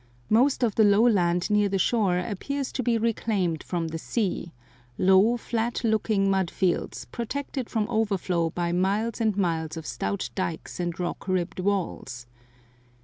Most of the low land near the shore appears to be reclaimed from the sea low, flat looking mud fields, protected from overflow by miles and miles of stout dikes and rock ribbed walls.